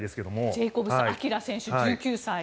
ジェイコブス晶選手１９歳。